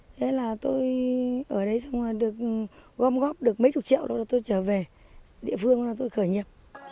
thế là tôi ở đấy xong rồi được gom góp được mấy chục triệu rồi tôi trở về địa phương rồi tôi khởi nghiệp